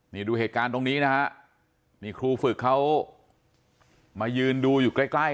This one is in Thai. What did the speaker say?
นี่ดูเหตุการณ์ตรงนี้นะฮะนี่ครูฝึกเขามายืนดูอยู่ใกล้ใกล้